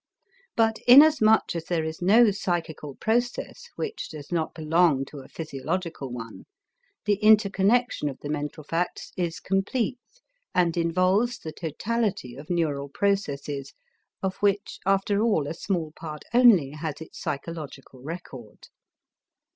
But, inasmuch as there is no psychical process which does not belong to a physiological one, the interconnection of the mental facts is complete and involves the totality of neural processes of which after all a small part only has its psychological record.